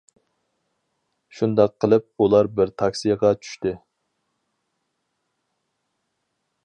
شۇنداق قىلىپ ئۇلار بىر تاكسىغا چۈشتى.